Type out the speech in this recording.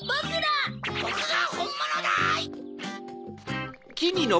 ぼくがほんものだい！